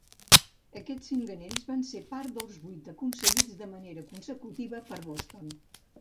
Aquests cinc anells van ser part dels vuit aconseguits de manera consecutiva per Boston.